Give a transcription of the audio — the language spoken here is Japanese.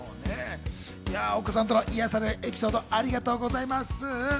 お子さんとの癒やされエピソード、ありがとうございます。